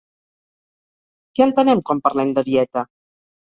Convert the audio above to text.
Què entenem quan parlem de «dieta»?